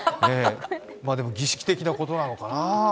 でも儀式的なことなのかな。